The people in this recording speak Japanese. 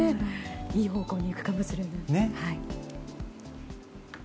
いい方向にいくかもしれませんね。